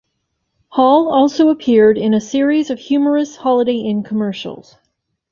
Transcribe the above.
Hall also appeared in a series of humorous Holiday Inn commercials.